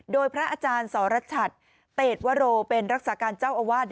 โดยพระอาจารย์สรชัดเตศวโรเป็นรักษาการเจ้าอาวาส